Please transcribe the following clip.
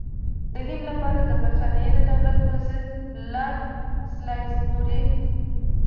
د هند لپاره د برټانیې د دولت وزیر لارډ سالیزبوري.